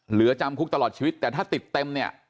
เหลือจำคุกตลอดชีวิตแต่ถ้าติดเต็มเนี่ย